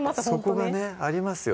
そこがねありますよ